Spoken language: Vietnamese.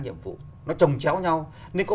nhiệm vụ nó trồng chéo nhau nên có